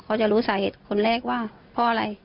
เขาจะรู้สาเหตุคนแรกว่าเพราะอะไร